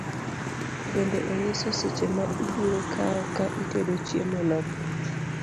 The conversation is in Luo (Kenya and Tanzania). Bende onyiso seche maibiro kawo ka itedo chiemo nogo